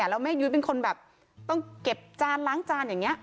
แล้วแม่ยุ้ยเป็นคนแบบต้องเก็บจานล้างจานอย่างนี้